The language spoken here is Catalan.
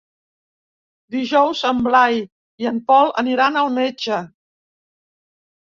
Dijous en Blai i en Pol aniran al metge.